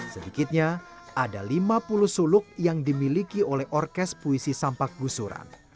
sedikitnya ada lima puluh suluk yang dimiliki oleh orkes puisi sampak gusuran